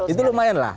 itu lumayan lah